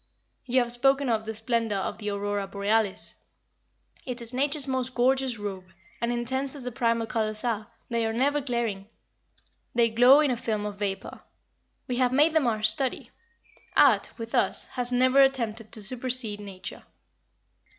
You have spoken of the splendor of the Aurora Borealis. It is nature's most gorgeous robe, and intense as the primal colors are, they are never glaring. They glow in a film of vapor. We have made them our study. Art, with us, has never attempted to supercede nature."